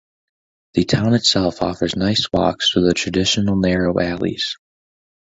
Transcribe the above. The town itself offers nice walks through the traditional narrow alleys.